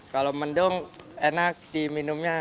kalau mendung enak diminumnya